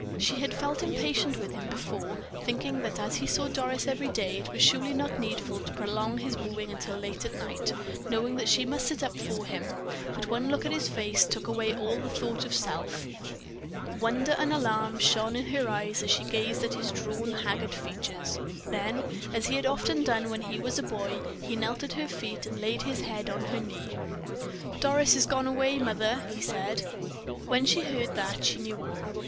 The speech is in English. She had felt impatient with him before, thinking that as he saw Doris every day, it was surely not needful to prolong his wooing until late at night, knowing that she must sit up for him; but one look at his face took away all thought of self. Wonder and alarm shone in her eyes as she gazed at his drawn, haggard features. Then, as he had often done when he was a boy, he knelt at her feet and laid his head on her knee. "Doris has gone away, mother," he said. When she heard that she knew all.